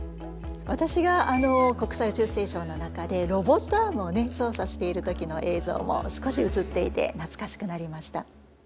わたしが国際宇宙ステーションの中でロボットアームを操作している時の映像も少し映っていて懐かしくなりました。